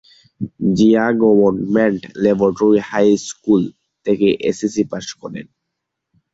Zia government laboratory high school থেকে SSC pass করেন।